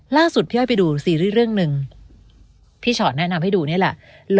พี่อ้อยไปดูซีรีส์เรื่องหนึ่งพี่ชอตแนะนำให้ดูนี่แหละ